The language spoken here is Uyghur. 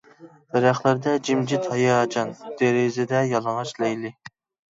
دەرەخلەردە جىمجىت ھاياجان دېرىزىدە يالىڭاچ لەيلى.